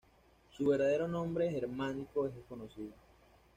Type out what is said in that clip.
Su verdadero nombre germánico es desconocido.